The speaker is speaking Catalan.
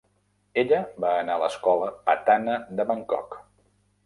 Ella va anar a la escola Patana de Bangkok.